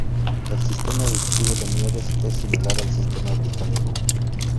El sistema educativo de Nieves es similar al sistema británico.